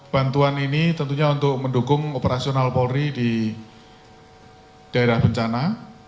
bantuan ini tentunya untuk mendukung operasional polri di daerah bencana